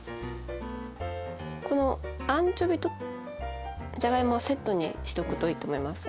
このアンチョビとじゃがいもはセットにしとくといいと思います。